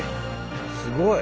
すごい！